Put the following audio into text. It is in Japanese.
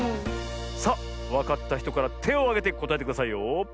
さあわかったひとからてをあげてこたえてくださいよ。